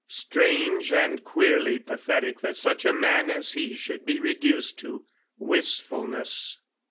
Strange and queerly pathetic that such a man as he should be reduced to wistfulness.